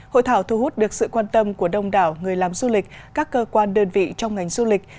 hội thảo thu hút được sự quan tâm của đông đảo người làm du lịch các cơ quan đơn vị trong ngành du lịch